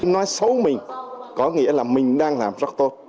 nói xấu mình có nghĩa là mình đang làm rất tốt